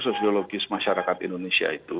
sosiologis masyarakat indonesia itu